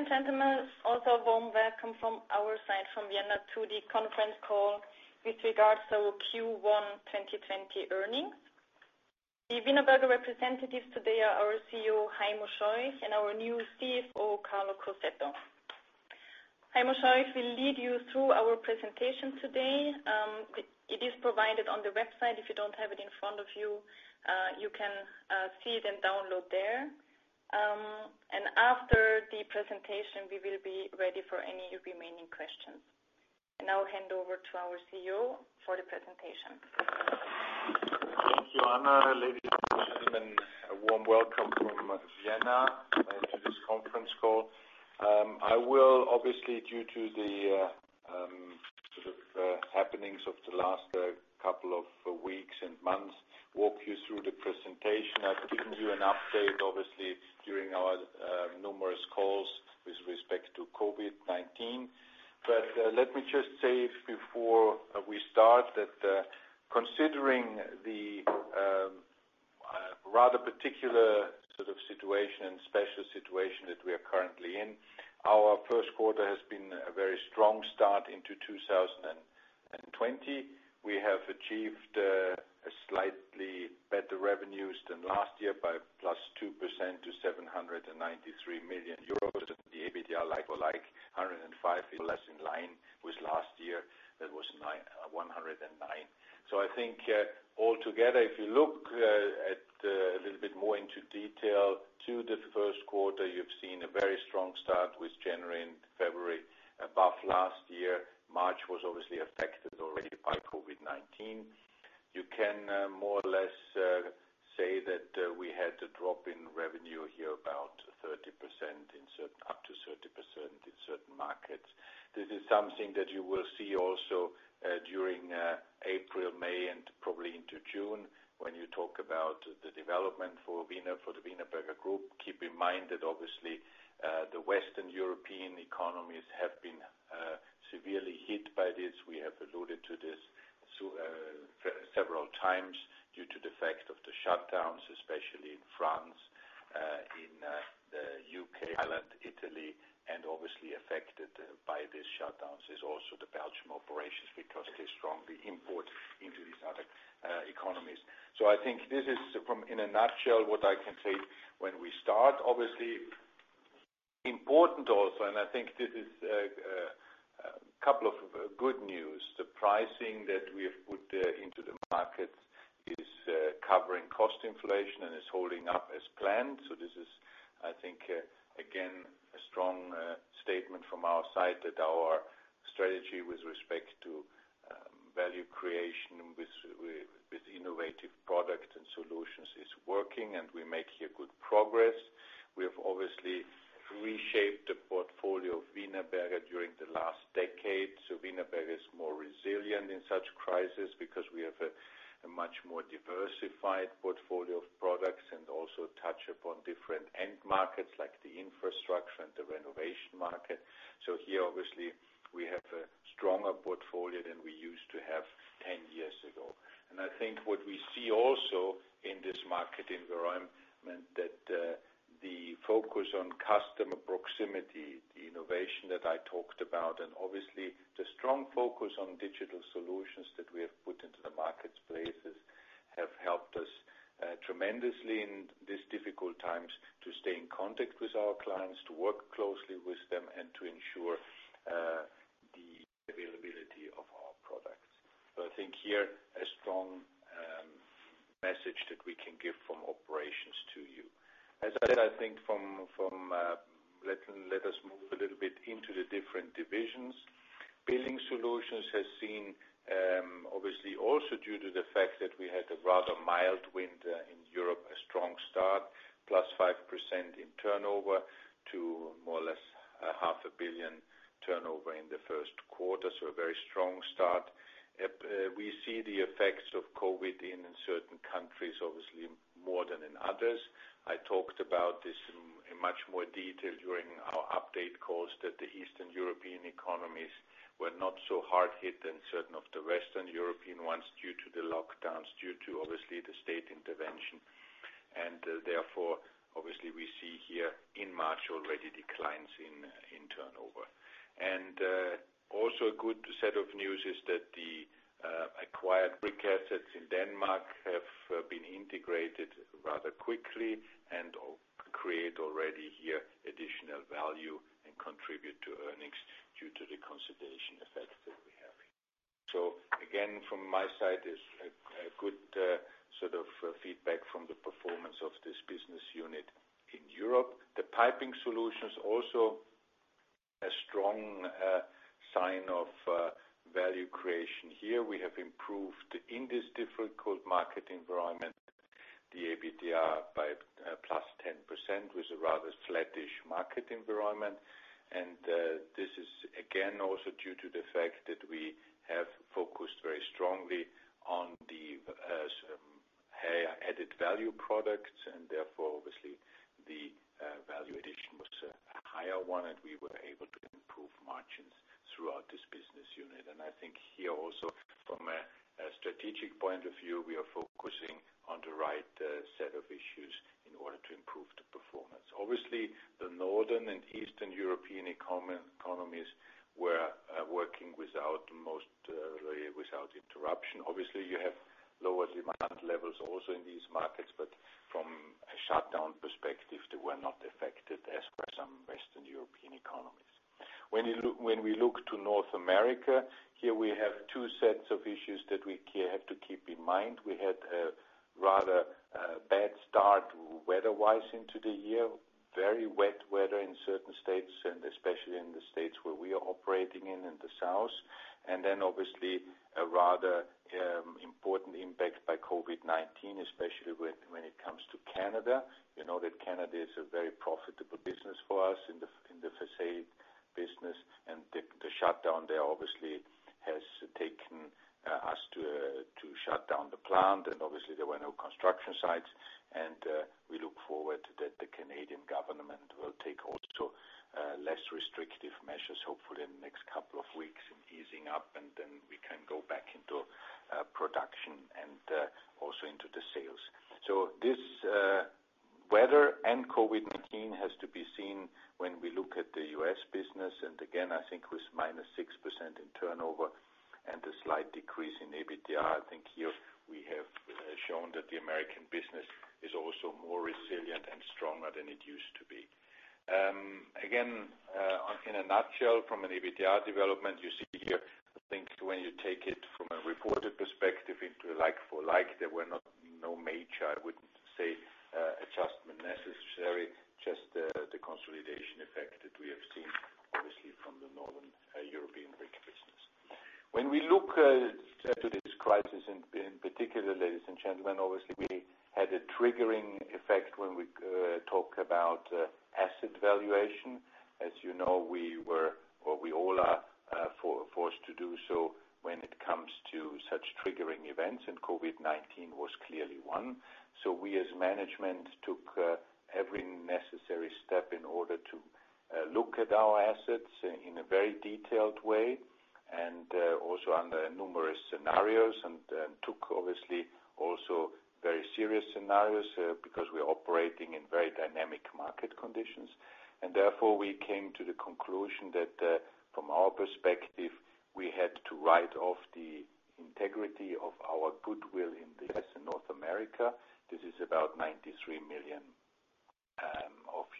Ladies and gentlemen, also warm welcome from our side, from Vienna, to the conference call with regards to Q1 2020 earnings. The Wienerberger representatives today are our CEO, Heimo Scheuch, and our new CFO, Carlo Crosetto. Heimo Scheuch will lead you through our presentation today. It is provided on the website. If you don't have it in front of you can see it and download there. After the presentation, we will be ready for any remaining questions. I now hand over to our CEO for the presentation. Thank you, Anna. Ladies and gentlemen, a warm welcome from Vienna to this conference call. I will, obviously, due to the happenings of the last couple of weeks and months, walk you through the presentation. I've given you an update, obviously, during our numerous calls with respect to COVID-19. Let me just say before we start that, considering the rather particular situation and special situation that we are currently in, our first quarter has been a very strong start into 2020. We have achieved slightly better revenues than last year by plus 2% to 793 million euros, with the EBITDA like-to-like 105, more or less in line with last year. That was 109. I think altogether, if you look a little bit more into detail to the first quarter, you've seen a very strong start with January and February above last year. March was obviously affected already by COVID-19. You can more or less say that we had a drop in revenue here about 30%, up to 30% in certain markets. This is something that you will see also during April, May, and probably into June when you talk about the development for the Wienerberger Group. Keep in mind that, obviously, the Western European economies have been severely hit by this. We have alluded to this several times due to the effect of the shutdowns, especially in France, in the U.K., Ireland, Italy, and obviously affected by these shutdowns is also the Belgium operations because they strongly import into these other economies. I think this is in a nutshell what I can say when we start. Obviously, important also, and I think this is a couple of good news. The pricing that we have put into the markets is covering cost inflation and is holding up as planned. This is, I think, again, a strong statement from our side that our strategy with respect to value creation with innovative products and solutions is working, and we make good progress. We have obviously reshaped the portfolio of Wienerberger during the last decade. Wienerberger is more resilient in such crisis because we have a much more diversified portfolio of products and also touch upon different end markets, like the infrastructure and the renovation market. Here, obviously, we have a stronger portfolio than we used to have 10 years ago. I think what we see also in this market environment, that the focus on customer proximity, the innovation that I talked about, and obviously the strong focus on digital solutions that we have put into the marketplaces, have helped us tremendously in these difficult times to stay in contact with our clients, to work closely with them, and to ensure the availability of our products. I think here, a strong message that we can give from operations to you. As I said, I think let us move a little bit into the different divisions. Building Solutions has seen, obviously also due to the fact that we had a rather mild winter in Europe, a strong start, +5% in turnover to more or less a half a billion turnover in the first quarter. A very strong start. We see the effects of COVID in certain countries, obviously, more than in others. I talked about this in much more detail during our update calls that the Eastern European economies were not so hard hit than certain of the Western European ones due to the lockdowns, due to, obviously, the state intervention. Therefore, obviously, we see here in March already declines in turnover. Also a good set of news is that the acquired brick assets in Denmark have been integrated rather quickly and create already here additional value and contribute to earnings due to the consolidation effect that we're having. Again, from my side, it's a good feedback from the performance of this business unit in Europe. The Pipelife, also a strong sign of value creation. Here we have improved, in this difficult market environment, the EBITDA by plus 10% with a rather flattish market environment. This is, again, also due to the fact that we have focused very strongly on the added value products, and therefore, obviously, the value addition was a higher one, and we were able [inaudible] throughout this business unit. I think here also from a strategic point of view, we are focusing on the right set of issues in order to improve the performance. Obviously, the Northern and Eastern European economies were working without interruption. Obviously, you have lower demand levels also in these markets, but from a shutdown perspective, they were not affected as were some Western European economies. When we look to North America, here we have two sets of issues that we have to keep in mind. We had a rather bad start weather-wise into the year, very wet weather in certain states and especially in the States where we are operating in the South. Obviously a rather important impact by COVID-19, especially when it comes to Canada. You know that Canada is a very profitable business for us in the façade business and the shutdown there obviously has taken us to shut down the plant and obviously there were no construction sites and we look forward that the Canadian government will take also less restrictive measures, hopefully in the next couple of weeks in easing up and then we can go back into production and also into the sales. This weather and COVID-19 has to be seen when we look at the U.S. business and again, I think it was minus 6% in turnover and a slight decrease in EBITDA. I think here we have shown that the American business is also more resilient and stronger than it used to be. In a nutshell, from an EBITDA development, you see here, I think when you take it from a reported perspective into a like for like, there were no major, I wouldn't say, adjustment necessary, just the consolidation effect that we have seen obviously from the Northern European brick business. We look to this crisis in particular, ladies and gentlemen, obviously we had a triggering effect when we talk about asset valuation. As you know, we all are forced to do so when it comes to such triggering events and COVID-19 was clearly one. We as management took every necessary step in order to look at our assets in a very detailed way and also under numerous scenarios and took obviously also very serious scenarios because we are operating in very dynamic market conditions. Therefore we came to the conclusion that from our perspective, we had to write off the integrity of our goodwill in the U.S. and North America. This is about 93 million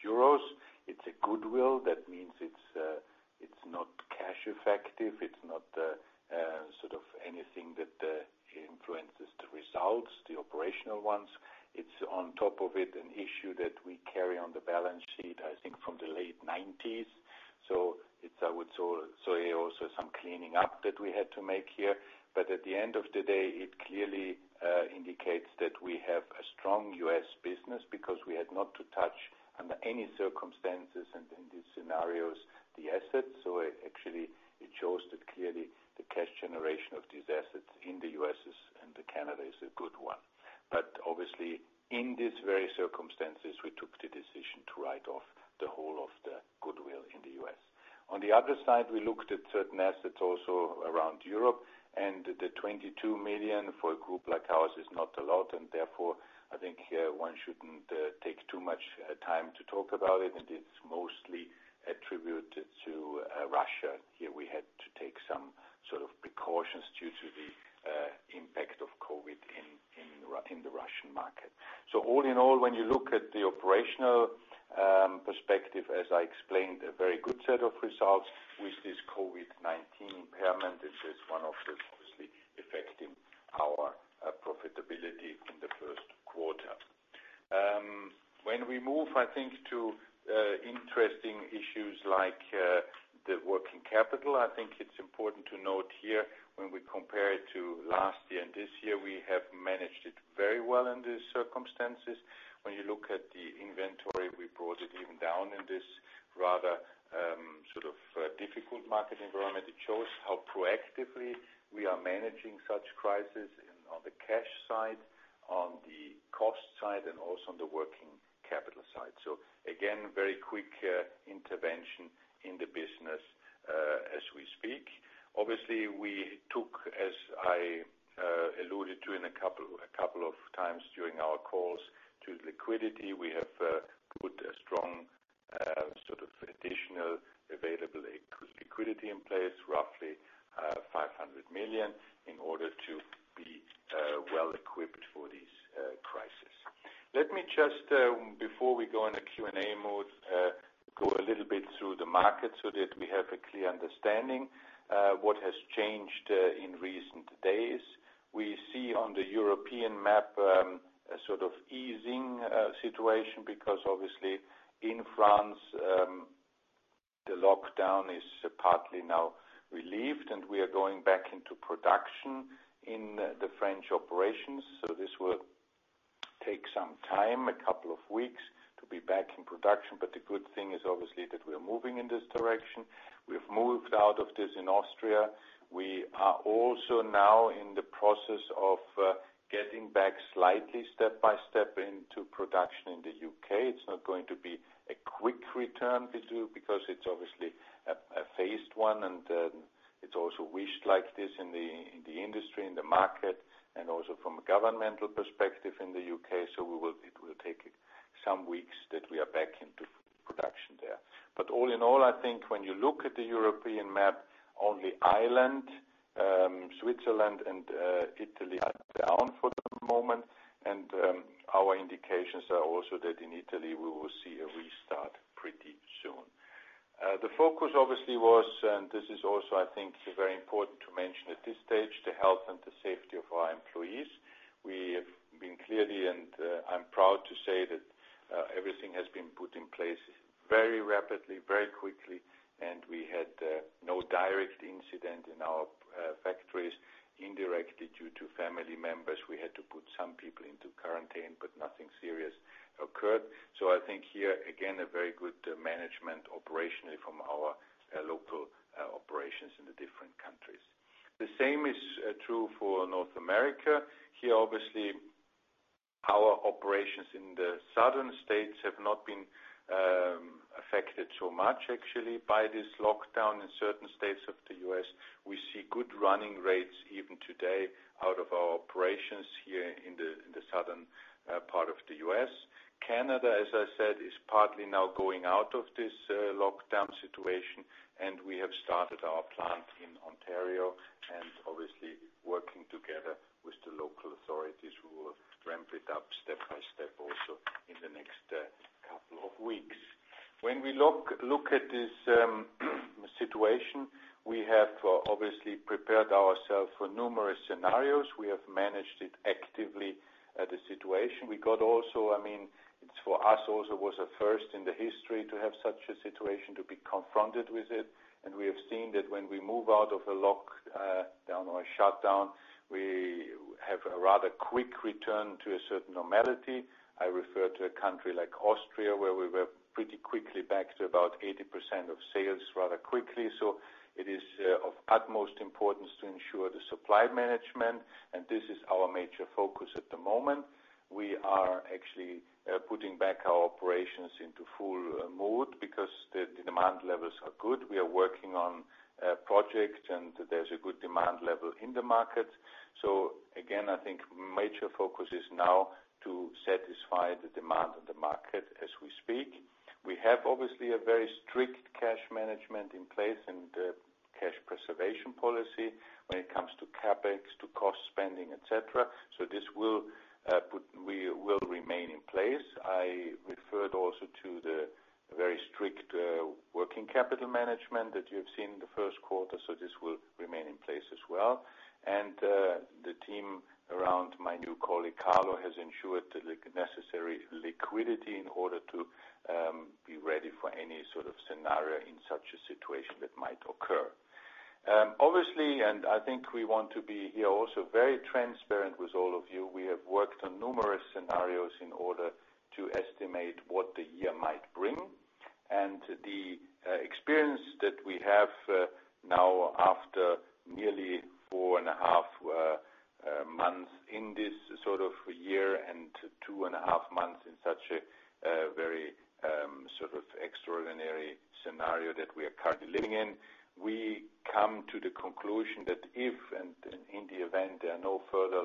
euros. It's a goodwill. That means it's not cash effective. It's not anything that influences the results, the operational ones. It's on top of it an issue that we carry on the balance sheet, I think from the late 90s. I would say also some cleaning up that we had to make here. At the end of the day, it clearly indicates that we have a strong U.S. business because we had not to touch under any circumstances and in these scenarios the assets. Actually it shows that clearly the cash generation of these assets in the U.S. and Canada is a good one. Obviously in this very circumstances we took the decision to write off the whole of the goodwill in the U.S. On the other side, we looked at certain assets also around Europe and the 22 million for a group like ours is not a lot and therefore I think here one shouldn't take too much time to talk about it and it's mostly attributed to Russia. Here we had to take some sort of precautions due to the impact of COVID-19 in the Russian market. All in all when you look at the operational perspective as I explained a very good set of results with this COVID-19 impairment this is one of those obviously affecting our profitability in the first quarter. When we move I think to interesting issues like the working capital I think it's important to note here when we compare it to last year and this year we have managed it very well under circumstances. When you look at the inventory we brought it even down in this rather difficult market environment. It shows how proactively we are managing such crisis on the cash side, on the cost side and also on the working capital side. Again, very quick intervention in the business as we speak. We took, as I alluded to a couple of times during our calls to liquidity, we have put a strong additional available liquidity in place, roughly 500 million, in order to be well equipped for this crisis. Let me just, before we go into Q&A mode, go a little bit through the market so that we have a clear understanding what has changed in recent days. We see on the European map a sort of easing situation because obviously in France the lockdown is partly now relieved and we are going back into production in the French operations. This will take some time, a couple of weeks to be back in production. The good thing is obviously that we are moving in this direction. We've moved out of this in Austria. We are also now in the process of getting back slightly step by step into production in the U.K. It's not going to be a quick return because it's obviously a phased one. It's also wished like this in the industry, in the market, and also from a governmental perspective in the U.K. It will take some weeks that we are back into production there. All in all, I think when you look at the European map, only Ireland, Switzerland, and Italy are down for the moment. Our indications are also that in Italy we will see a restart pretty soon. The focus obviously was, and this is also I think very important to mention at this stage, the health and the safety of our employees. We have been clear and I'm proud to say that everything has been put in place very rapidly, very quickly, and we had no direct incident in our factories. Indirectly, due to family members, we had to put some people into quarantine, but nothing serious occurred. I think here, again, a very good management operationally from our local operations in the different countries. The same is true for North America. Here, obviously, our operations in the southern states have not been affected so much actually by this lockdown in certain states of the U.S. We see good running rates even today out of our operations here in the southern part of the U.S. Canada, as I said, is partly now going out of this lockdown situation, and we have started our plant in Ontario and obviously working together with the local authorities who will ramp it up step by step also in the next couple of weeks. When we look at this situation, we have obviously prepared ourselves for numerous scenarios. We have managed it actively, the situation. We got also i mean, for us also was a first in the history to have such a situation, to be confronted with it, and we have seen that when we move out of a lockdown or a shutdown, we have a rather quick return to a certain normality. I refer to a country like Austria, where we were pretty quickly back to about 80% of sales rather quickly. It is of utmost importance to ensure the supply management, and this is our major focus at the moment. We are actually putting back our operations into full mode because the demand levels are good. We are working on projects, and there's a good demand level in the market. Again, I think major focus is now to satisfy the demand of the market as we speak. We have obviously a very strict cash management in place and cash preservation policy when it comes to CapEx, to cost spending, et cetera. This will remain in place. I referred also to the very strict working capital management that you have seen in the first quarter, so this will remain in place as well. The team around my new colleague, Carlo, has ensured the necessary liquidity in order to be ready for any sort of scenario in such a situation that might occur. Obviously, and I think we want to be here also very transparent with all of you, we have worked on numerous scenarios in order to estimate what the year might bring. The experience that we have now after nearly four and a half months in this sort of year and two and a half months in such a very extraordinary scenario that we are currently living in, we come to the conclusion that if and in the event there are no further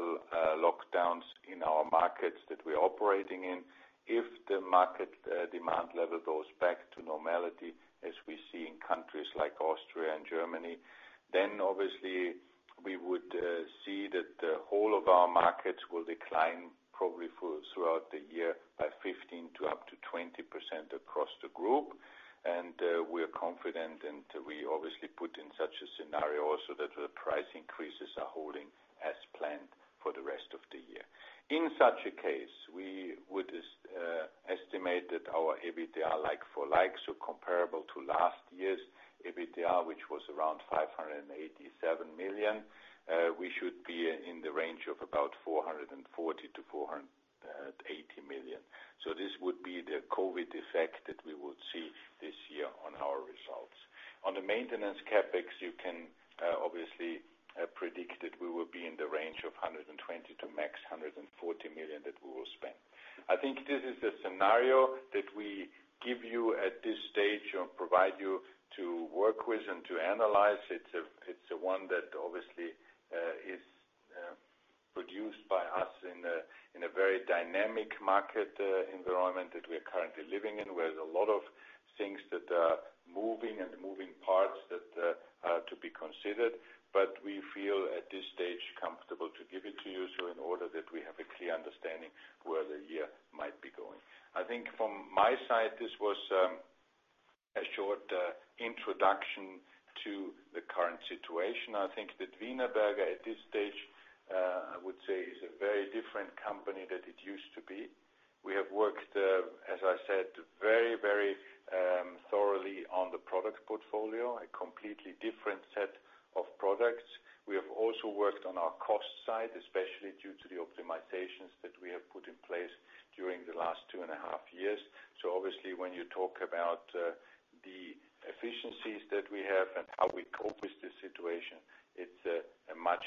lockdowns in our markets that we are operating in, if the market demand level goes back to normality as we see in countries like Austria and Germany, then obviously we would see that the whole of our markets will decline probably throughout the year by 15% to up to 20% across the group. We're confident, and we obviously put in such a scenario also that the price increases are holding as planned for the rest of the year. In such a case, we would estimate that our EBITDA like for likes, so comparable to last year's EBITDA, which was around 587 million, we should be in the range of about 440 million-480 million. This would be the COVID effect that we would see this year on our results. On the maintenance CapEx, you can obviously predict that we will be in the range of 120 million-max 140 million that we will spend. I think this is the scenario that we give you at this stage and provide you to work with and to analyze. It's the one that obviously is produced by us in a very dynamic market environment that we are currently living in, where there are a lot of things that are moving and moving parts that are to be considered. We feel at this stage comfortable to give it to you so in order that we have a clear understanding where the year might be going. I think from my side, this was a short introduction to the current situation. I think that Wienerberger at this stage, I would say, is a very different company than it used to be. We have worked, as I said, very thoroughly on the product portfolio, a completely different set of products. We have also worked on our cost side, especially due to the optimizations that we have put in place during the last two and a half years. Obviously, when you talk about the efficiencies that we have and how we cope with the situation, it's a much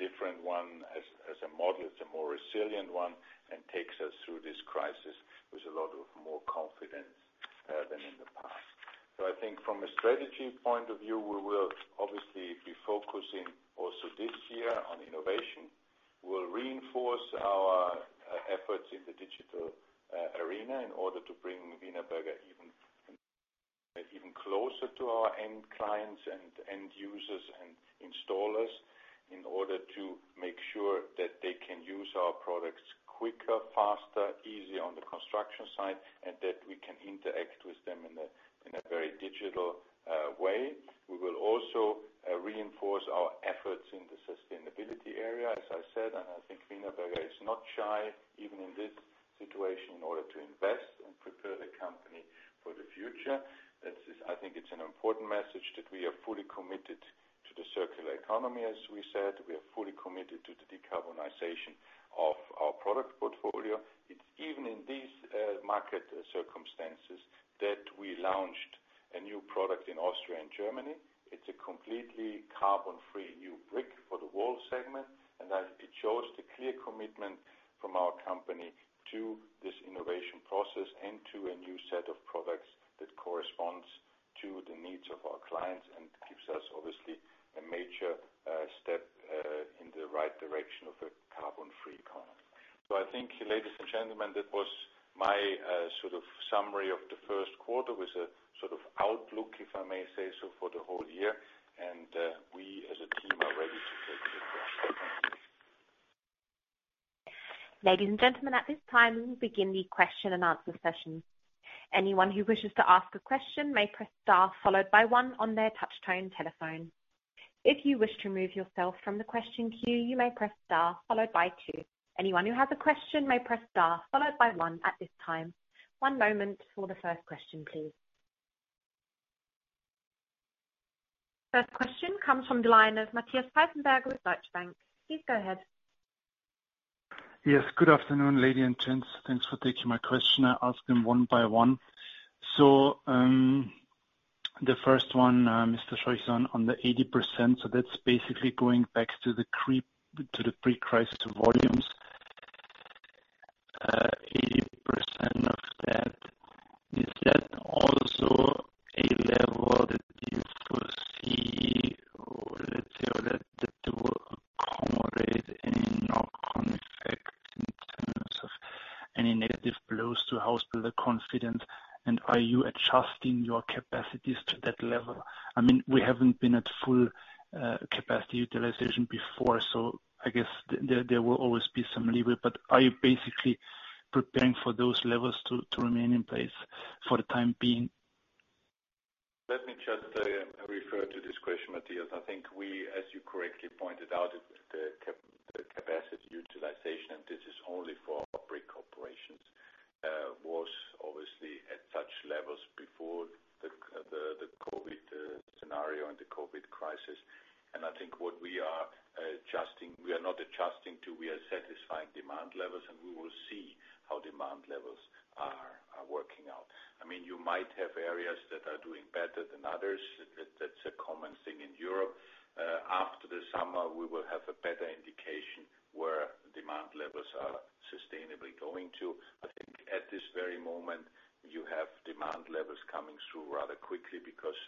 different one as a model. It's a more resilient one, and takes us through this crisis with a lot of more confidence than in the past. I think from a strategy point of view, we will obviously be focusing also this year on innovation. We'll reinforce our efforts in the digital arena in order to bring Wienerberger even closer to our end clients and end users and installers in order to make sure that they can use our products quicker, faster, easier on the construction site, and that we can interact with them in a very digital way. We will also reinforce our efforts in the sustainability area. As I said, and I think Wienerberger is not shy, even in this situation, in order to invest and prepare the company for the future. I think it's an important message that we are fully committed to the circular economy, as we said, we are fully committed to the decarbonization of our product portfolio. It's even in these market circumstances that we launched a new product in Austria and Germany. It's a completely carbon-free new brick for the wall segment, and it shows the clear commitment from our company to this innovation process and to a new set of products that corresponds to the needs of our clients and gives us obviously a major step in the right direction of a carbon-free economy. I think, ladies and gentlemen, that was my summary of the first quarter with an outlook, if I may say so, for the whole year. We as a team are ready to take the next one. Thank you. Ladies and gentlemen, at this time, we'll begin the question and answer session. Anyone who wishes to ask a question may press star followed by one on their touch-tone telephone. If you wish to remove yourself from the question queue, you may press star followed by two. Anyone who has a question may press star followed by one at this time. One moment for the first question, please. First question comes from the line of Matthias Petzenberger with Deutsche Bank. Please go ahead. Yes. Good afternoon, lady and gents. Thanks for taking my question. I ask them one by one. The first one, Mr. Scheuch, on the 80%. That's basically going back to the pre-crisis volumes. 80% of that, is that also a level that you foresee or let's say that will accommodate any knock-on effects in terms of any negative blows to house builder confidence? Are you adjusting your capacities to that level? We haven't been at full capacity utilization before, so I guess there will always be some leeway, but are you basically preparing for those levels to remain in place for the time being? Let me just refer to this question, Matthias. I think we, as you correctly pointed out, the capacity utilization, this is only for brick operations, was obviously at such levels before the COVID scenario and the COVID crisis. I think what we are not adjusting to, we are satisfying demand levels, and we will see how demand levels are working out. You might have areas that are doing better than others. That's a common thing in Europe. After the summer, we will have a better indication where demand levels are sustainably going to. I think at this very moment, you have demand levels coming through rather quickly because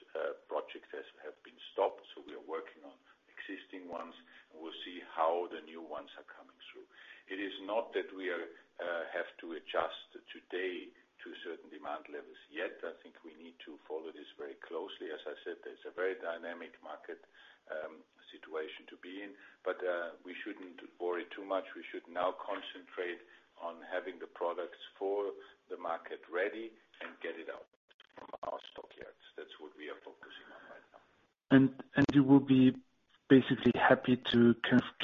projects have been stopped. We are working on existing ones, and we'll see how the new ones are coming through. It is not that we have to adjust today to certain demand levels yet. I think we need to follow this very closely. As I said, that it's a very dynamic market situation to be in. We shouldn't worry too much. We should now concentrate on having the products for the market ready and get it out from our stockyards. That's what we are focusing on right now. You will be basically happy to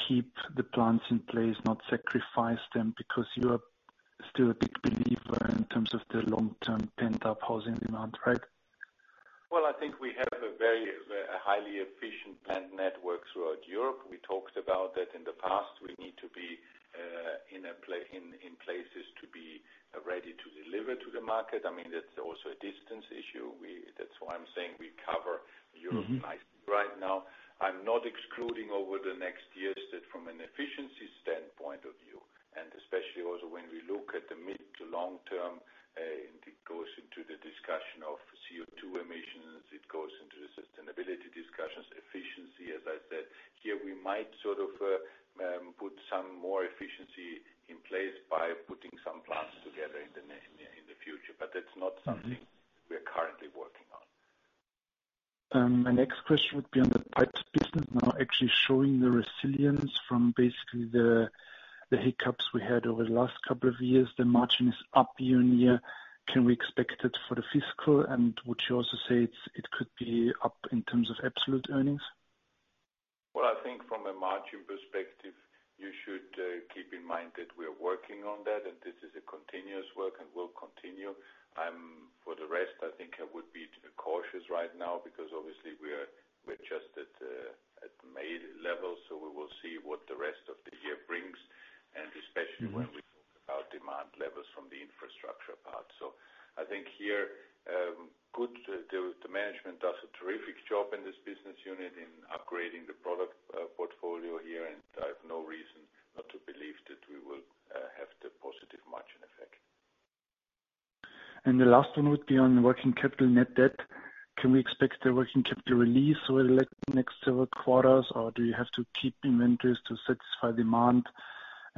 keep the plants in place, not sacrifice them because you are still a big believer in terms of the long-term pent-up housing demand, right? Well, I think we have a highly efficient plant network throughout Europe. We talked about that in the past. We need to be in places to be ready to deliver to the market. That's also a distance issue. That's why I'm saying we cover Europe nicely right now. I'm not excluding over the next years that from an efficiency standpoint of view, and especially also when we look at the mid to long term, it goes into the discussion of CO2 emissions, it goes into the sustainability discussions, efficiency, as I said. Here, we might put some more efficiency in place by putting some plants together in the future. That's not something we're currently working on. My next question would be on the pipes business now actually showing the resilience from basically the hiccups we had over the last couple of years. The margin is up year-on-year. Can we expect it for the fiscal? Would you also say it could be up in terms of absolute earnings? Well, I think from a margin perspective, you should keep in mind that we are working on that, and this is a continuous work and will continue. For the rest, I think I would be cautious right now because obviously we're just at the May levels, so we will see what the rest of the. Especially when we talk about demand levels from the infrastructure part. I think here, the management does a terrific job in this business unit in upgrading the product portfolio here, and I have no reason not to believe that we will have the positive margin effect. The last one would be on working capital, net debt. Can we expect the working capital release over the next several quarters, or do you have to keep inventories to satisfy demand?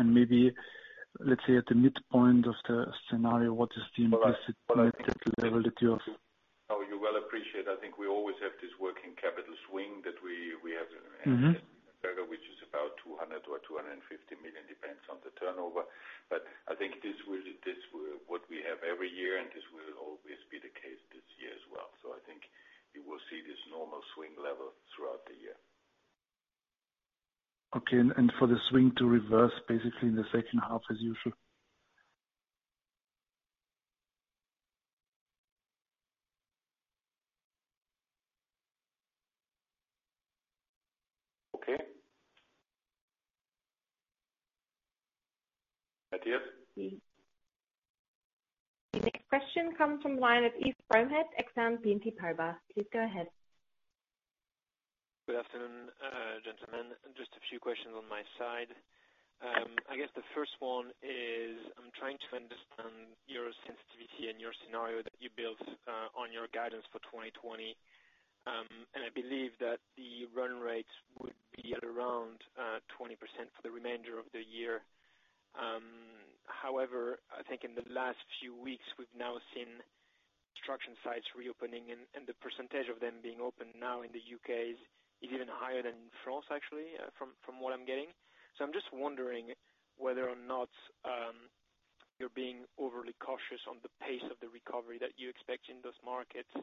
Maybe, let's say, at the midpoint of the scenario, what is the implicit net debt level that you have? Oh, you well appreciate. I think we always have this working capital swing that we have. at Wienerberger, which is about 200 million or 250 million, depends on the turnover. I think this what we have every year, and this will always be the case this year as well. I think you will see this normal swing level throughout the year. Okay. For the swing to reverse basically in the second half as usual? Okay. Matthias? The next question comes from the line of Yves Bromehead, Exane BNP Paribas. Please go ahead. Good afternoon, gentlemen. Just a few questions on my side. I guess the first one is, I'm trying to understand your sensitivity and your scenario that you built on your guidance for 2020. I believe that the run rates would be at around 20% for the remainder of the year. However, I think in the last few weeks, we've now seen construction sites reopening and the % of them being open now in the U.K. is even higher than in France, actually, from what I'm getting. I'm just wondering whether or not you're being overly cautious on the pace of the recovery that you expect in those markets,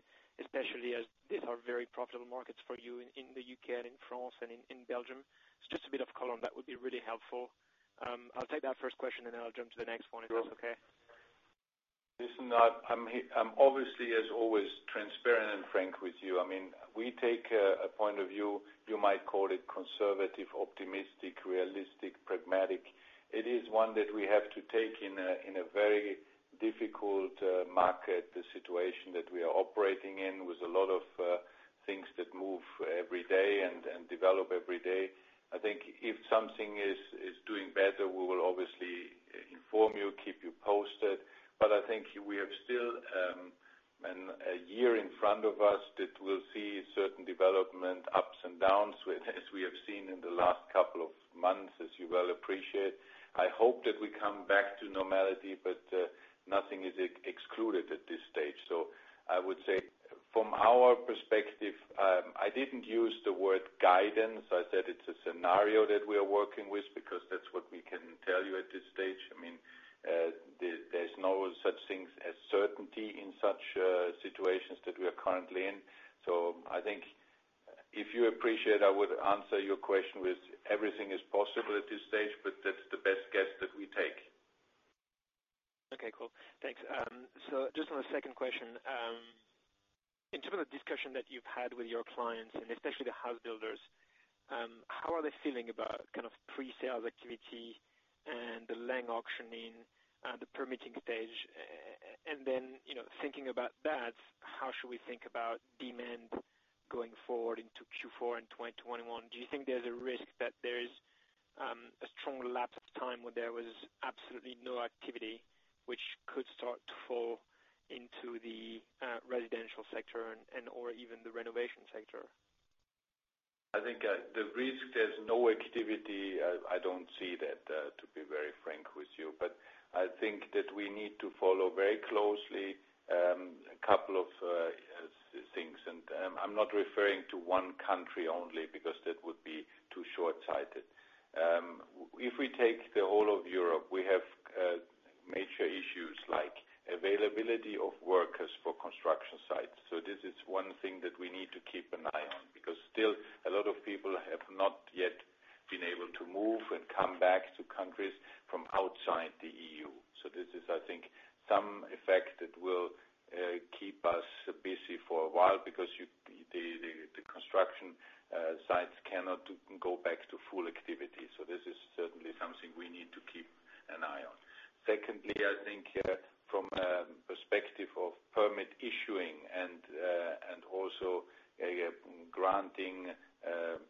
especially as these are very profitable markets for you in the U.K. and in France and in Belgium. Just a bit of color on that would be really helpful. I'll take that first question and then I'll jump to the next one, if that's okay. Listen, I'm obviously, as always, transparent and frank with you. We take a point of view, you might call it conservative, optimistic, realistic, pragmatic. It is one that we have to take in a very difficult market, the situation that we are operating in, with a lot of things that move every day and develop every day. I think if something is doing better, we will obviously inform you, keep you posted. I think we have still a year in front of us that will see certain development ups and downs as we have seen in the last couple of months, as you well appreciate. I hope that we come back to normality, but nothing is excluded at this stage. I would say from our perspective, I didn't use the word guidance. I said it's a scenario that we are working with because that's what we can tell you at this stage. There's no such thing as certainty in such situations that we are currently in. I think if you appreciate, I would answer your question with everything is possible at this stage, but that's the best guess that we take. Okay, cool. Thanks. Just on a second question. In terms of the discussion that you've had with your clients and especially the house builders, how are they feeling about pre-sales activity and the land auctioning and the permitting stage? Then, thinking about that, how should we think about demand going forward into Q4 in 2021? Do you think there's a risk that there is a strong lapse of time where there was absolutely no activity which could start to fall into the residential sector and/or even the renovation sector? I think the risk, there's no activity. I don't see that, to be very frank with you. I think that we need to follow very closely a couple of things. I'm not referring to one country only because that would be too shortsighted. If we take the whole of Europe, we have major issues like availability of workers for construction sites. This is one thing that we need to keep an eye on, because still a lot of people have not yet been able to move and come back to countries from outside the EU. This is, I think, some effect that will keep us busy for a while because the construction sites cannot go back to full activity. This is certainly something we need to keep an eye on. I think from a perspective of permit issuing and also granting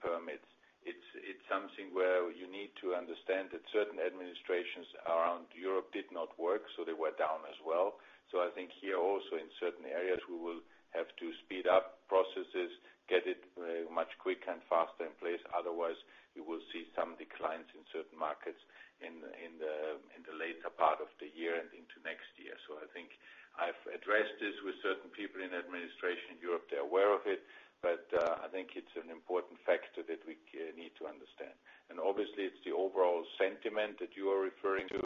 permits, it's something where you need to understand that certain administrations around Europe did not work, they were down as well. I think here also in certain areas, we will have to speed up processes, get it much quicker and faster in place. Otherwise, we will see some declines in certain markets in the later part of the year and into next year. I think I've addressed this with certain people in administration in Europe. They're aware of it. I think it's an important factor that we need to understand. Obviously it's the overall sentiment that you are referring to,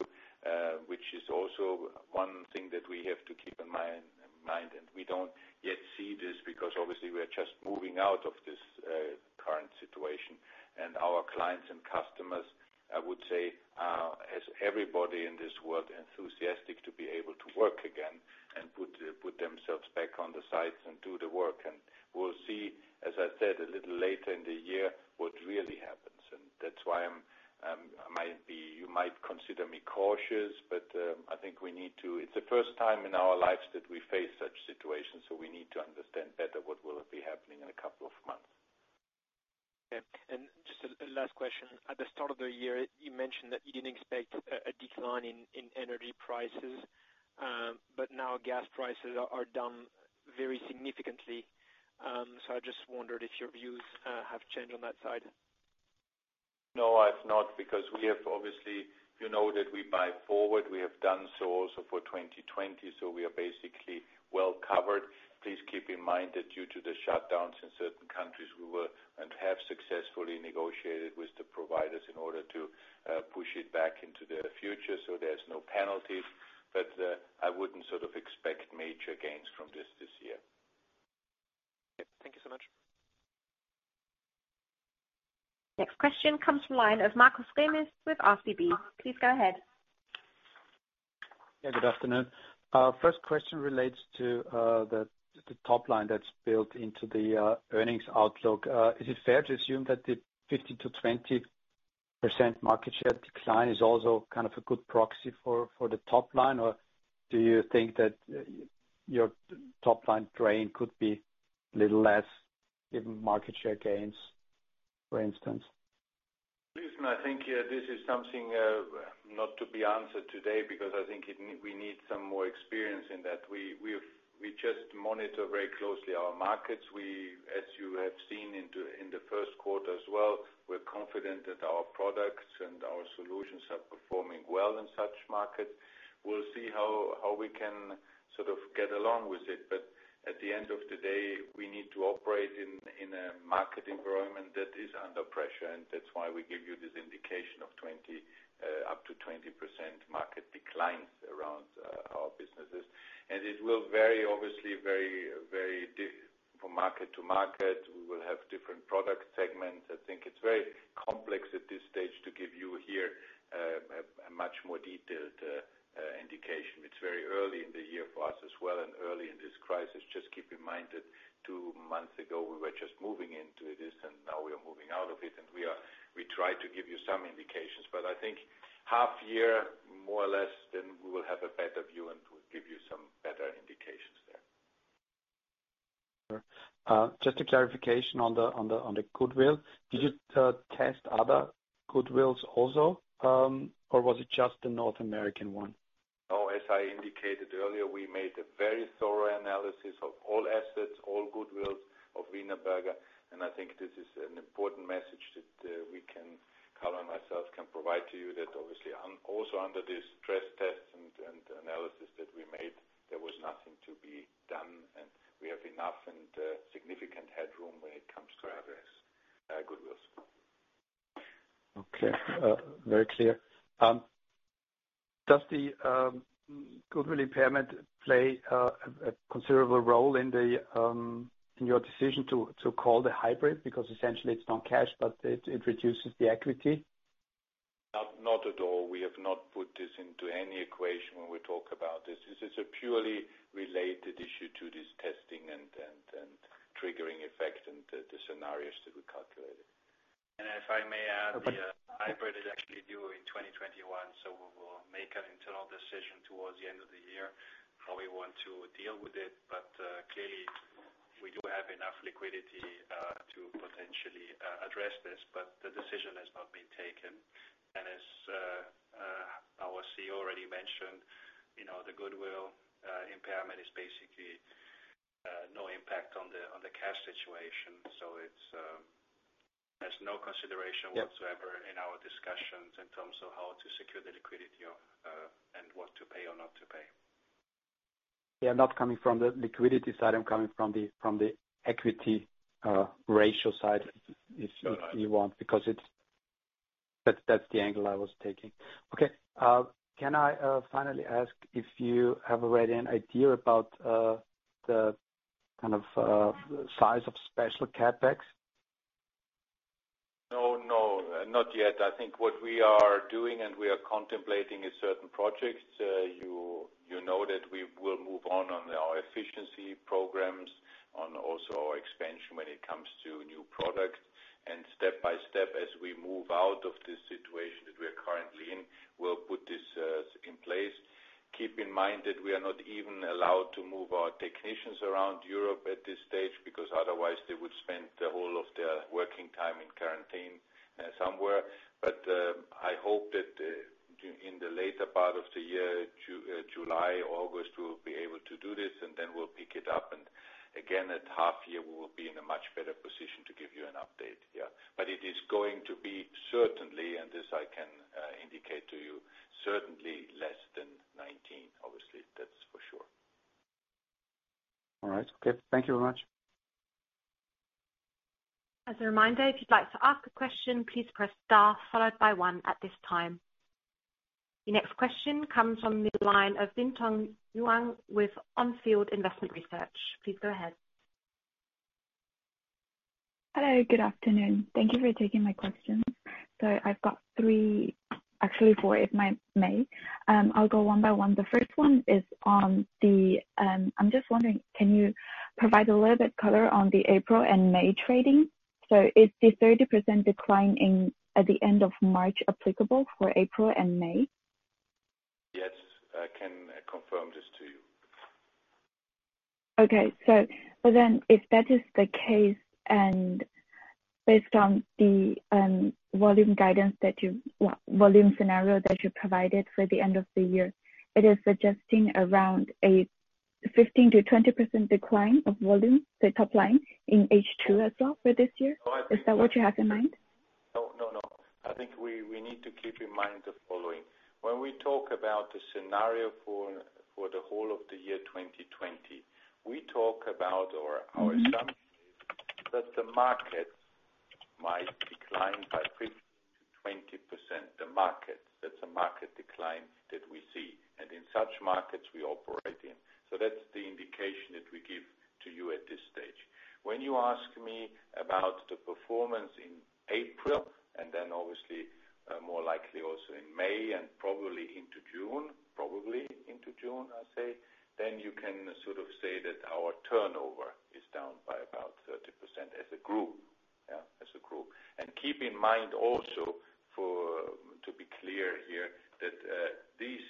which is also one thing that we have to keep in mind. We don't yet see this because obviously we are just moving out of this current situation. Our clients and customers, I would say, as everybody in this world, enthusiastic to be able to work again, to put themselves back on the sites and do the work. We'll see, as I said, a little later in the year, what really happens. That's why you might consider me cautious, but I think we need to. It's the first time in our lives that we face such situations, so we need to understand better what will be happening in a couple of months. Okay. Just a last question. At the start of the year, you mentioned that you didn't expect a decline in energy prices, but now gas prices are down very significantly. I just wondered if your views have changed on that side. No, have not, because we have obviously, you know, that we buy forward. We have done so also for 2020, so we are basically well-covered. Please keep in mind that due to the shutdowns in certain countries, we were and have successfully negotiated with the providers in order to push it back into the future so there's no penalties. I wouldn't sort of expect major gains from this year. Thank you so much. Next question comes from the line of Markus Remis with RCB. Please go ahead. Yeah, good afternoon. First question relates to the top line that's built into the earnings outlook. Is it fair to assume that the 15%-20% market share decline is also kind of a good proxy for the top line? Do you think that your top-line drain could be a little less, given market share gains, for instance? Listen, I think this is something not to be answered today because I think we need some more experience in that. We just monitor very closely our markets. As you have seen in the first quarter as well, we're confident that our products and our solutions are performing well in such markets. We'll see how we can sort of get along with it. At the end of the day, we need to operate in a market environment that is under pressure, and that's why we give you this indication of up to 20% market declines around our businesses. It will obviously vary from market to market. We will have different product segments. I think it's very complex at this stage to give you here a much more detailed indication. It's very early in the year for us as well and early in this crisis. Just keep in mind that two months ago, we were just moving into this and now we are moving out of it. We try to give you some indications. I think half year, more or less, we will have a better view and we'll give you some better indications there. Sure. Just a clarification on the goodwill. Did you test other goodwills also, or was it just the North American one? No. As I indicated earlier, we made a very thorough analysis of all assets, all goodwills of Wienerberger, and I think this is an important message that we can, Carlo and myself can provide to you that obviously also under the stress tests and analysis that we made, there was nothing to be done, and we have enough and significant headroom when it comes to address goodwills. Okay. Very clear. Does the goodwill impairment play a considerable role in your decision to call the hybrid? Essentially it's not cash, but it reduces the equity. Not at all. We have not put this into any equation when we talk about this. This is a purely related issue to this testing and triggering effect and the scenarios that we calculated. If I may add, the hybrid is actually due in 2021, so we will make an internal decision towards the end of the year how we want to deal with it. Clearly we do have enough liquidity to potentially address this, but the decision has not been taken. As our CEO already mentioned, the goodwill impairment is basically no impact on the cash situation. It has no consideration whatsoever in our discussions in terms of how to secure the liquidity and what to pay or not to pay. Yeah, not coming from the liquidity side. I'm coming from the equity ratio side, if you want. Got it. Because that's the angle I was taking. Okay. Can I finally ask if you have already an idea about the kind of size of special CapEx? No, not yet. I think what we are doing and we are contemplating is certain projects. You know that we will move on on our efficiency programs, on also our expansion when it comes to new products. Step by step, as we move out of this situation that we are currently in, we'll put this in place. Keep in mind that we are not even allowed to move our technicians around Europe at this stage, because otherwise they would spend the whole of their working time in quarantine somewhere. I hope that in the later part of the year, July, August, we'll be able to do this, and then we'll pick it up. Again, at half year, we will be in a much better position to give you an update, yeah. It is going to be certainly, and this I can indicate to you, certainly less than 2019, obviously. That is for sure. All right. Okay. Thank you very much. As a reminder, if you'd like to ask a question, please press star followed by one at this time. The next question comes from the line of Bintang Wang with On Field Investment Research. Please go ahead. Hello. Good afternoon. Thank you for taking my questions. I've got three, actually four, if I may. I'll go one by one. The first one is, I'm just wondering, can you provide a little bit color on the April and May trading? Is the 30% decline at the end of March applicable for April and May? Yes, I can confirm this to you. If that is the case, and based on the volume scenario that you provided for the end of the year, it is suggesting around a 15%-20% decline of volume, the top line, in H2 as well for this year. Is that what you have in mind? No. I think we need to keep in mind the following. When we talk about the scenario for the whole of the year 2020, we talk about our assumption that the market might decline by 15%-20%. The market, that's a market decline that we see, and in such markets we operate in. That's the indication that we give to you at this stage. When you ask me about the performance in April, and then obviously, more likely also in May and probably into June, I say, then you can sort of say that our turnover is down by about 30% as a group. Keep in mind also, to be clear here, that these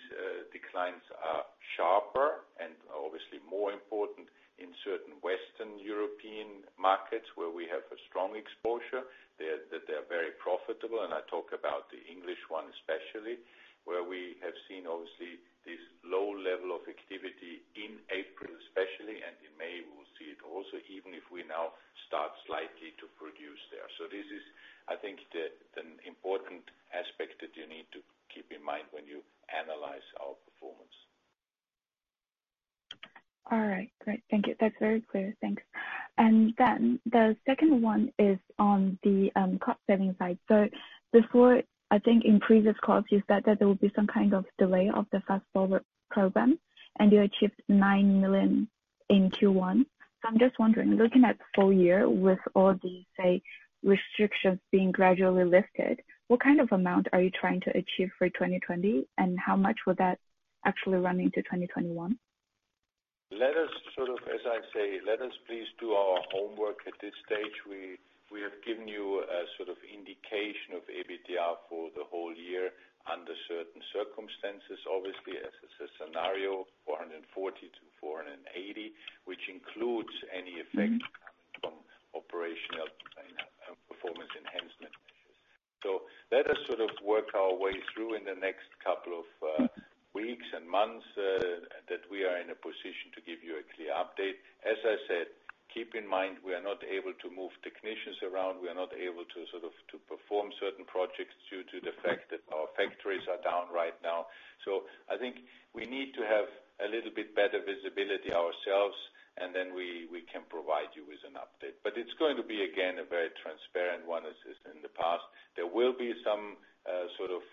declines are sharper and obviously more important in certain Western European markets where we have a strong exposure. They're very profitable, and I talk about the English one especially, where we have seen obviously this low level of activity in April especially, and in May we'll see it also, even if we now start slightly to produce there. This is, I think, an important aspect that you need to keep in mind when you analyze our performance. All right. Great. Thank you. That's very clear. Thanks. The second one is on the cost-saving side. Before, I think in previous calls, you said that there will be some kind of delay of the Fast Forward program, and you achieved 9 million in Q1. I'm just wondering, looking at the full year with all the, say, restrictions being gradually lifted, what kind of amount are you trying to achieve for 2020, and how much would that actually run into 2021? As I say, let us please do our homework at this stage. We have given you a sort of indication of EBITDA for the whole year under certain circumstances. Obviously, as a scenario, 440-480, which includes any effect coming from operational and performance enhancement measures. Let us sort of work our way through in the next couple of weeks and months, that we are in a position to give you a clear update. As I said, keep in mind, we are not able to move technicians around. We are not able to perform certain projects due to the fact that our factories are down right now. I think we need to have a little bit better visibility ourselves, and then we can provide you with an update. It's going to be, again, a very transparent one as is in the past. There will be some sort of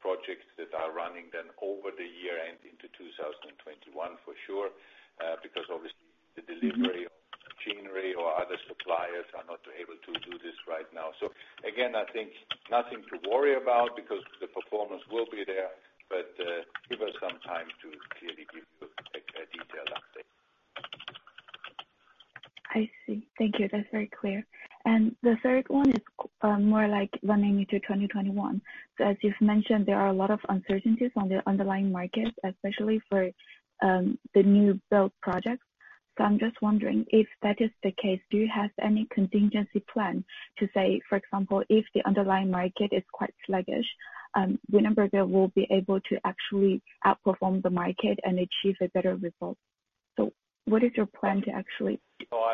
projects that are running then over the year end into 2021 for sure because obviously the delivery of machinery or other suppliers are not able to do this right now. Again, I think nothing to worry about because the performance will be there, but give us some time to clearly give you a detailed update. I see. Thank you. That's very clear. The third one is more like running into 2021. As you've mentioned, there are a lot of uncertainties on the underlying market, especially for the new build projects. I'm just wondering if that is the case, do you have any contingency plan to say, for example, if the underlying market is quite sluggish, Wienerberger will be able to actually outperform the market and achieve a better result. What is your plan to actually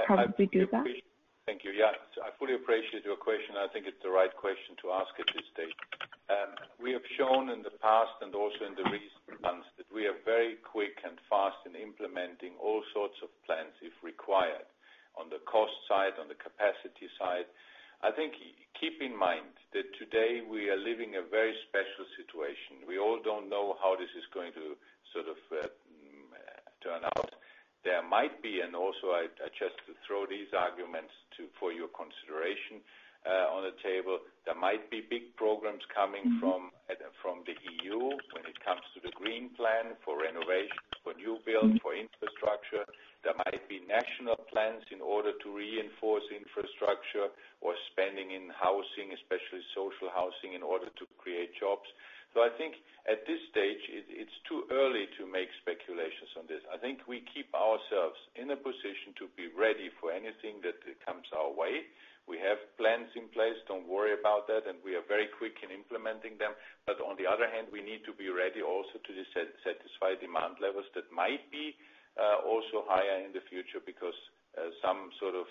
probably do that? Thank you. Yeah. I fully appreciate your question, and I think it's the right question to ask at this stage. We have shown in the past and also in the recent months that we are very quick and fast in implementing all sorts of plans if required on the cost side, on the capacity side. I think, keep in mind that today we are living a very special situation. We all don't know how this is going to sort of turn out. There might be, and also I just throw these arguments for your consideration on the table, there might be big programs coming from the EU when it comes to the green plan for renovations, for new build, for infrastructure. There might be national plans in order to reinforce infrastructure or spending in housing, especially social housing, in order to create jobs. I think at this stage, it's too early to make speculations on this. I think we keep ourselves in a position to be ready for anything that comes our way. We have plans in place. Don't worry about that, and we are very quick in implementing them. On the other hand, we need to be ready also to satisfy demand levels that might be also higher in the future because some sort of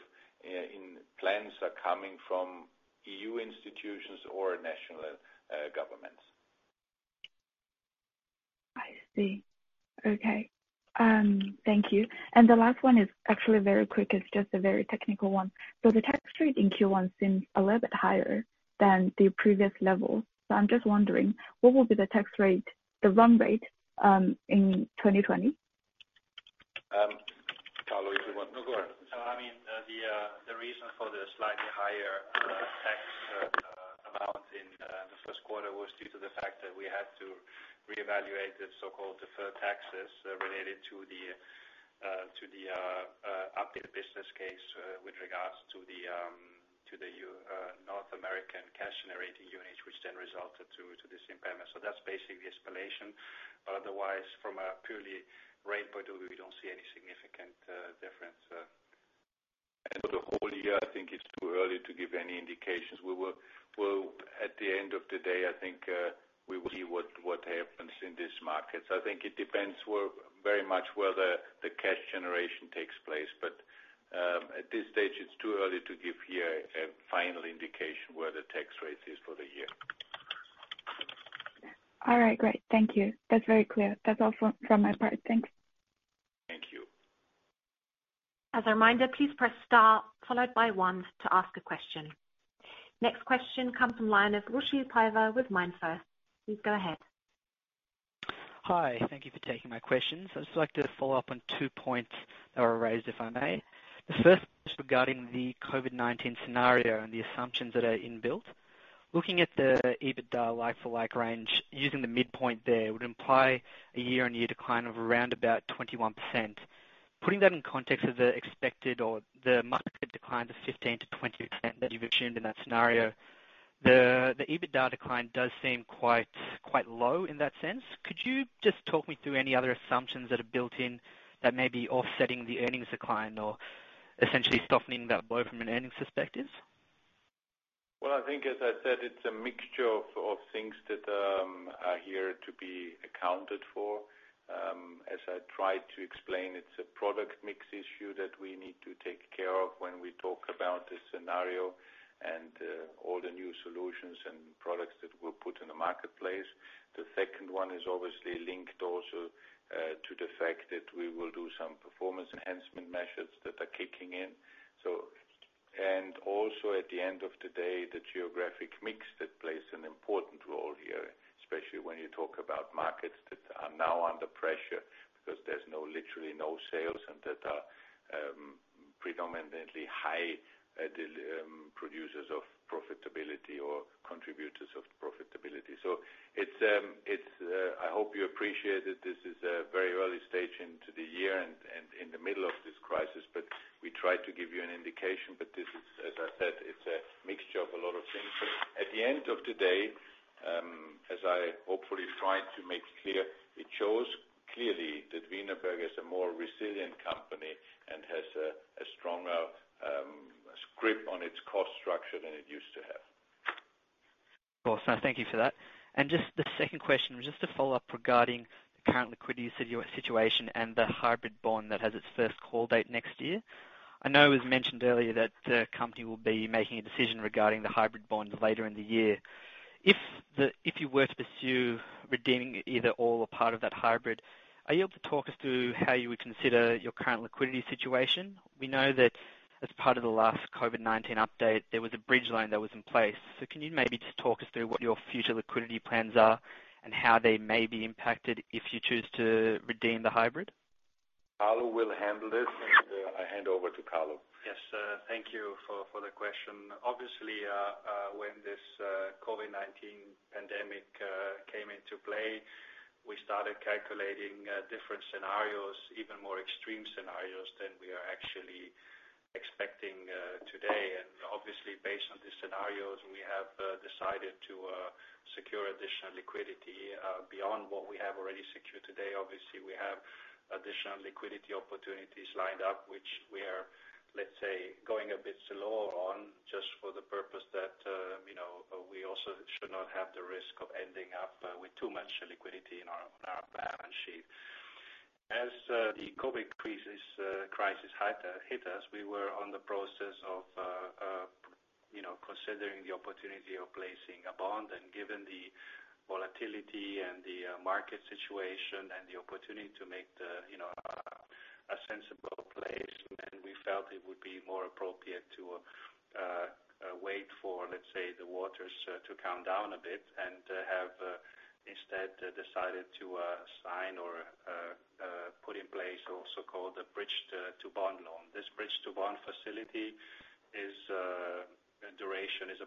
plans are coming from EU institutions or national governments. I see. Okay. Thank you. The last one is actually very quick. It's just a very technical one. The tax rate in Q1 seems a little bit higher than the previous level. I'm just wondering, what will be the tax rate, the run rate, in 2020? Carlo, if you want. No, go ahead. I mean, the reason for the slightly higher tax amount in the first quarter was due to the fact that we had to reevaluate the so-called deferred taxes related to the updated business case with regards to the North American cash generating units, which then resulted to this impairment. That's basically the explanation. Otherwise, from a purely rate point of view, we don't see any significant difference. For the whole year, I think it's too early to give any indications. At the end of the day, I think we will see what happens in this market. I think it depends very much where the cash generation takes place. At this stage, it's too early to give here a final indication where the tax rate is for the year. All right. Great. Thank you. That's very clear. That's all from my part. Thanks. Thank you. As a reminder, please press star followed by one to ask a question. Next question comes from Lars Ruschke with MainFirst. Please go ahead. Hi. Thank you for taking my questions. I'd just like to follow up on two points that were raised, if I may. The first is regarding the COVID-19 scenario and the assumptions that are inbuilt. Looking at the EBITDA like-for-like range, using the midpoint there would imply a year-on-year decline of around about 21%. Putting that in context of the expected or the market decline of 15%-20% that you've assumed in that scenario, the EBITDA decline does seem quite low in that sense. Could you just talk me through any other assumptions that are built in that may be offsetting the earnings decline or essentially softening that blow from an earnings perspective? Well, I think, as I said, it's a mixture of things that are here to be accounted for. As I tried to explain, it's a product mix issue that we need to take care of when we talk about the scenario and all the new solutions and products that we'll put in the marketplace. The second one is obviously linked also to the fact that we will do some performance enhancement measures that are kicking in. Also at the end of the day, the geographic mix that plays an important role here, especially when you talk about markets that are now under pressure because there's literally no sales and that are predominantly high producers of profitability or contributors of profitability. I hope you appreciate that this is a very early stage into the year and in the middle of this crisis, but we try to give you an indication. As I said, it's a mixture of a lot of things. At the end of the day, as I hopefully tried to make clear, it shows clearly that Wienerberger is a more resilient company and has a stronger grip on its cost structure than it used to have. Awesome. Thank you for that. Just the second question, just to follow up regarding the current liquidity of your situation and the hybrid bond that has its first call date next year. I know it was mentioned earlier that the company will be making a decision regarding the hybrid bond later in the year. If you were to pursue redeeming either all or part of that hybrid, are you able to talk us through how you would consider your current liquidity situation? We know that as part of the last COVID-19 update, there was a bridge loan that was in place. Can you maybe just talk us through what your future liquidity plans are and how they may be impacted if you choose to redeem the hybrid? Carlo will handle this. I hand over to Carlo. Yes. Thank you for the question. Obviously, when this COVID-19 pandemic came into play, we started calculating different scenarios, even more extreme scenarios than we are actually expecting today. Obviously, based on these scenarios, we have decided to secure additional liquidity, beyond what we have already secured today. Obviously, we have additional liquidity opportunities lined up, which we are, let's say, going a bit slow on just for the purpose that we also should not have the risk of ending up with too much liquidity on our balance sheet. As the COVID crisis hit us, we were on the process of considering the opportunity of placing a bond. Given the volatility and the market situation and the opportunity to make a sensible place, we felt it would be more appropriate to wait for, let's say, the waters to calm down a bit and have instead decided to sign or put in place a so-called bridge to bond loan. This bridge to bond facility duration is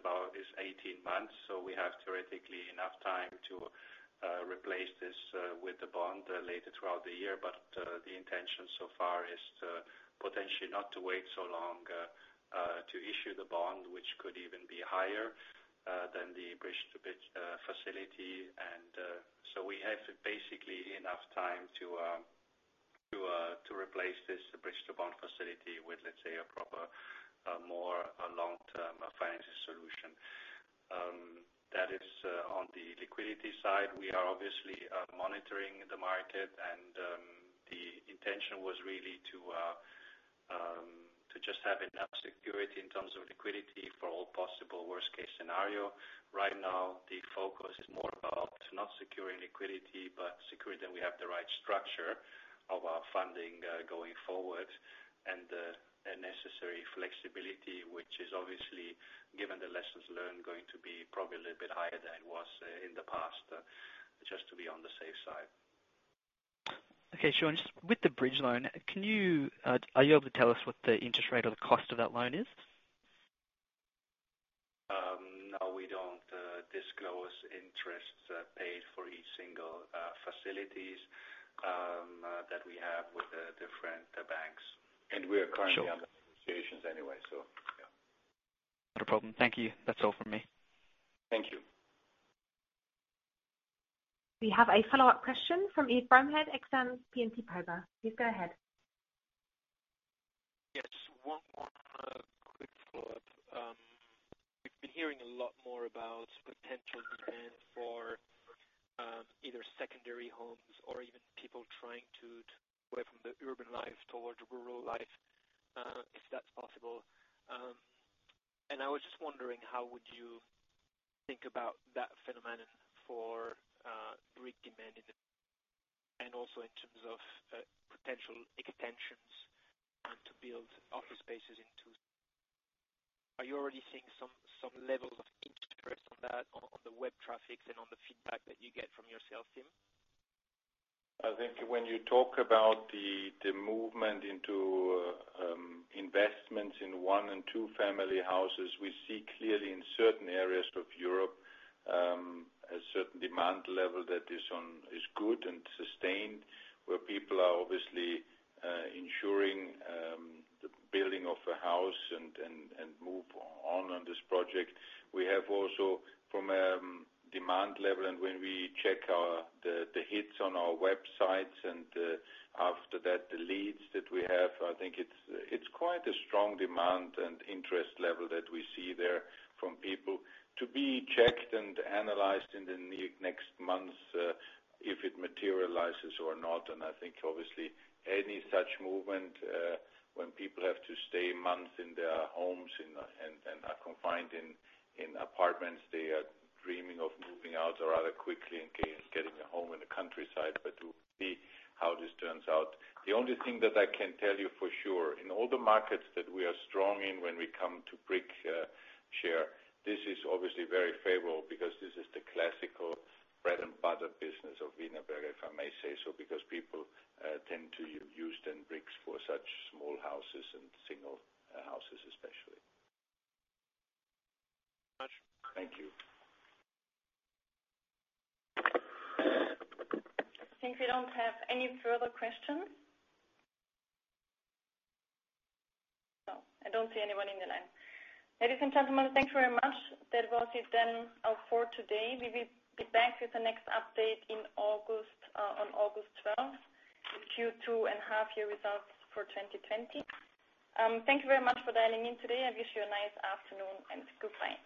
18 months, we have theoretically enough time to replace this with the bond later throughout the year. The intention so far is to potentially not to wait so long to issue the bond, which could even be higher than the bridge to bond facility. We have basically enough time to replace this bridge to bond facility with, let's say, a proper, more long-term financial solution. That is on the liquidity side. We are obviously monitoring the market and the intention was really to just have enough security in terms of liquidity for all possible worst case scenario. Right now, the focus is more about not securing liquidity, but securing that we have the right structure of our funding going forward. Necessary flexibility, which is obviously, given the lessons learned, going to be probably a little bit higher than it was in the past, just to be on the safe side. Okay, Scheuch, just with the bridge loan, are you able to tell us what the interest rate or the cost of that loan is? No. We don't disclose interests paid for each single facilities that we have with the different banks. Sure on the associations anyway, so yeah. Not a problem. Thank you. That's all from me. Thank you. We have a follow-up question from Yves Bromehead, Exane BNP Paribas. Please go ahead. Yeah, just one more quick follow-up. We've been hearing a lot more about potential demand for either secondary homes or even people trying to move away from the urban life towards rural life, if that's possible. I was just wondering, how would you think about that phenomenon for brick demand and also in terms of potential extensions and to build office spaces into? Are you already seeing some level of interest on that on the web traffic and on the feedback that you get from your sales team? I think when you talk about the movement into investments in one and two family houses, we see clearly in certain areas of Europe, a certain demand level that is good and sustained, where people are obviously ensuring the building of a house and move on this project. We have also from a demand level, and when we check the hits on our websites and after that, the leads that we have, I think it's quite a strong demand and interest level that we see there from people to be checked and analyzed in the next months, if it materializes or not. I think obviously any such movement, when people have to stay months in their homes and are confined in apartments, they are dreaming of moving out rather quickly and getting a home in the countryside. We'll see how this turns out. The only thing that I can tell you for sure, in all the markets that we are strong in when we come to brick share, this is obviously very favorable because this is the classical bread and butter business of Wienerberger, if I may say so, because people tend to use then bricks for such small houses and single houses especially. Much. Thank you. I think we don't have any further questions. No, I don't see anyone in the line. Ladies and gentlemen, thanks very much. That was it then for today. We will be back with the next update on August 12th, with Q2 and half year results for 2020. Thank you very much for dialing in today. I wish you a nice afternoon and goodbye.